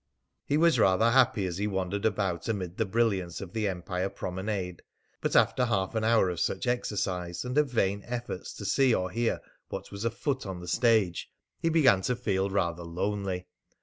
He was rather happy as he wandered about amid the brilliance of the Empire Promenade. But after half an hour of such exercise, and of vain efforts to see or hear what was afoot on the stage, he began to feel rather lonely.